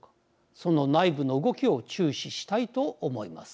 その内部の動きを注視したいと思います。